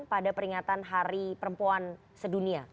pada peringatan hari perempuan sedunia